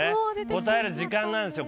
こたえる時間なんですよ